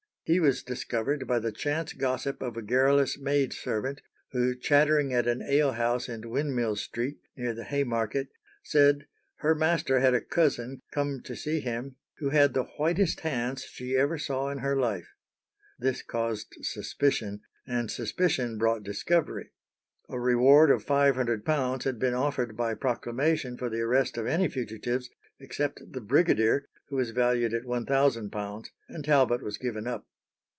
He was discovered by the chance gossip of a garrulous maid servant, who, chattering at an ale house in Windmill Street, near the Haymarket, said her master had a cousin come to see him who had the whitest hands she ever saw in her life. This caused suspicion, and suspicion brought discovery. A reward of £500 had been offered by proclamation for the arrest of any fugitives, except the brigadier, who was valued at £1,000, and Talbot was given up.